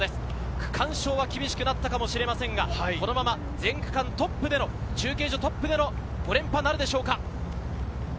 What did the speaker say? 区間賞は厳しくなったかもしれませんが、このまま全区間トップ、中継所トップでの５連覇なるでしょうか。